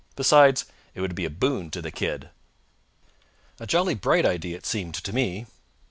Besides, it would be a boon to the kid." A jolly bright idea it seemed to me.